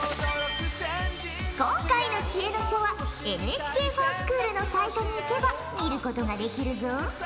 今回の知恵の書はＮＨＫｆｏｒＳｃｈｏｏｌのサイトにいけば見ることができるぞ。